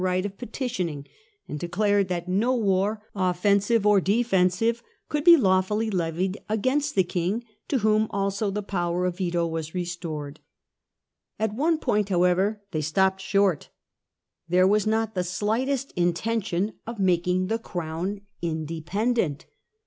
right of petitioning, and declared that no war, offensive or defensive, could be lawfully levied against the King, to whom also the power of veto was restored. At one point however they stopped short. There was not the slightest intention of making the Crown independent.